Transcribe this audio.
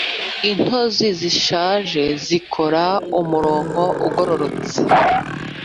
intozi zishaje zikora umurongo ugororotse